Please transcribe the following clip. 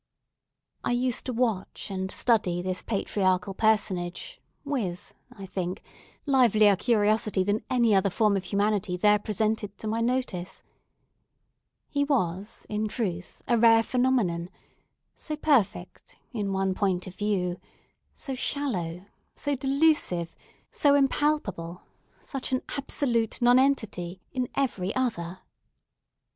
I used to watch and study this patriarchal personage with, I think, livelier curiosity than any other form of humanity there presented to my notice. He was, in truth, a rare phenomenon; so perfect, in one point of view; so shallow, so delusive, so impalpable such an absolute nonentity, in every other.